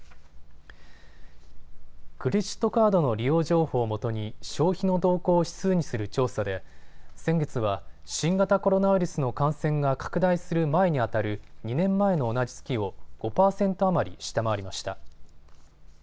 クレジットカードの利用情報をもとに消費の動向指数にする調査で先月は新型コロナウイルスの感染が拡大する前にあたる２年前の同じ月を５％余り下回りました。